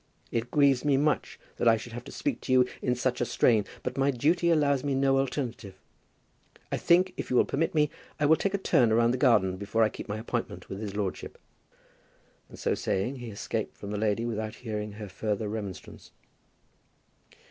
It grieves me much that I should have to speak to you in such a strain, but my duty allows me no alternative. I think, if you will permit me, I will take a turn round the garden before I keep my appointment with his lordship." And so saying he escaped from the lady without hearing her further remonstrance.